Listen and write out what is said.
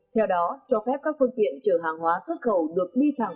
theo đó cho phép các phương tiện chở hàng hóa xuất khẩu được đi thẳng